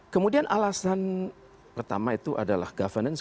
kemudian alasan pertama itu adalah governance